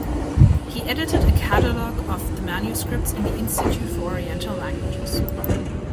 He edited a catalogue of the manuscripts in the Institute for Oriental Languages.